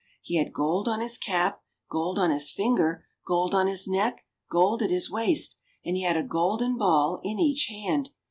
He had gold on his cap, gold on his finger, gold on his neck, gold at his waist ! And he had a golden ball in each hand.